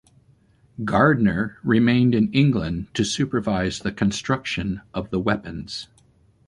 Gardner remained in England to supervise the construction of the weapons.